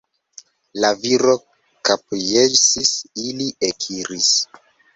La viro kapjesis, ili ekiris.